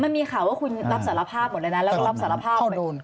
มันมีข่าวว่าคุณรับสารภาพหมดเลยนะแล้วก็รับสารภาพหมด